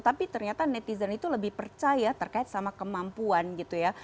tapi ternyata netizen itu lebih percaya terkait sama kemampuan gitu ya